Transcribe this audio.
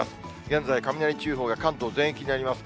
現在、雷注意報が関東全域にあります。